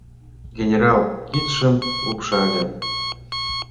— генерал кидшым лупшале.